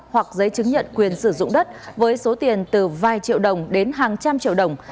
hoặc giấy chứng nhận quyền sử dụng đất với số tiền từ vài triệu đồng đến hàng trăm triệu đồng